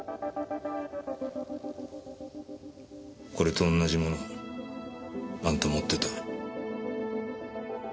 これと同じものをあんた持ってた。